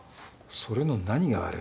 それの何が悪い？